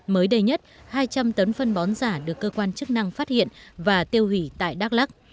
mới đây nhất hai trăm linh tấn phân bón giả được cơ quan chức năng phát hiện và tiêu hủy tại đắk lắc